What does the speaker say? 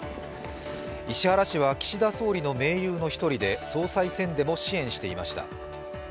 石原氏は岸田総理の盟友の１人で、総裁選でも支援していました。